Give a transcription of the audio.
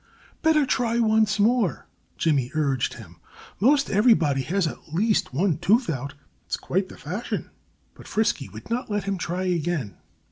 "Better try once more!" Jimmy urged him. "Most everybody has at least one tooth out. It's quite the fashion." But Frisky would not let him try again.